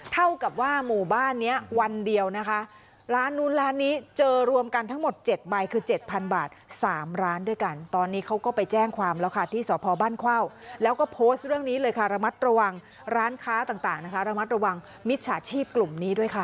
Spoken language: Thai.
เท่ากับว่าหมู่บ้านนี้วันเดียวนะคะร้านนู้นร้านนี้เจอรวมกันทั้งหมด๗ใบคือ๗๐๐บาท๓ร้านด้วยกันตอนนี้เขาก็ไปแจ้งความแล้วค่ะที่สพบ้านเข้าแล้วก็โพสต์เรื่องนี้เลยค่ะระมัดระวังร้านค้าต่างนะคะระมัดระวังมิจฉาชีพกลุ่มนี้ด้วยค่ะ